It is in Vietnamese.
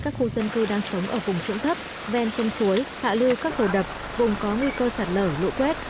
các khu dân cư đang sống ở vùng trũng thấp ven sông suối hạ lưu các hồ đập vùng có nguy cơ sạt lở lũ quét